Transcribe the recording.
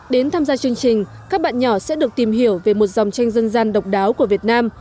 đến tham gia chương trình các bạn nhỏ sẽ được tìm hiểu về một dòng tranh dân gian độc đáo của việt nam